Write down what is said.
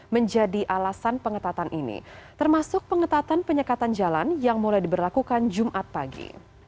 menjadi alasan pengetatan ini termasuk pengetatan penyekatan jalan yang mulai diberlakukan jumat pagi